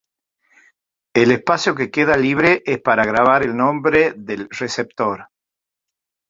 El espacio que queda libre es para grabar el nombre del receptor.